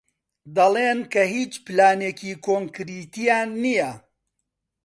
دەڵێن کە هیچ پلانێکی کۆنکریتییان نییە.